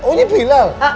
oh ini bilal